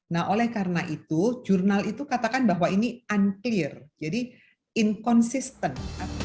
nah oleh karena itu jurnal itu katakan bahwa ini unclear jadi inconsistent